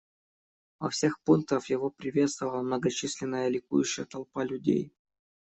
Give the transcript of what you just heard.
Во всех пунктах его приветствовала многочисленная ликующая толпа людей.